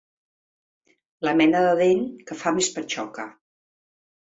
La mena de dent que fa més patxoca.